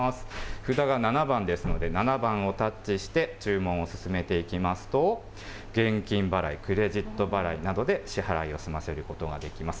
札が７番ですので、７番をタッチして注文を進めていきますと、現金払い、クレジット払いなどで支払いを済ませることができます。